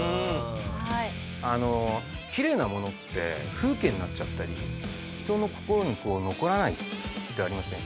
あのキレイなものって風景になっちゃったり人の心に残らないってありません？